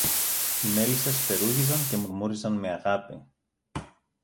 Οι μέλισσες φτερούγιζαν και μουρμούριζαν με αγάπη